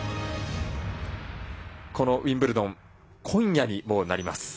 このウィンブルドン今夜に、もうなります。